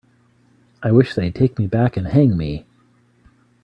I wish they'd take me back and hang me.